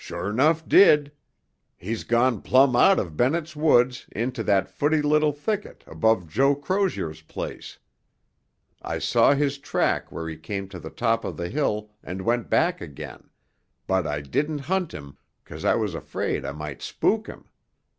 "Sure 'nough did! He's gone plumb out of Bennett's Woods into that footy little thicket above Joe Crozier's place. I saw his track where he came to the top of the hill and went back again, but I didn't hunt him 'cause I was afraid I might spook him.